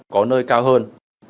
có nơi cao hơn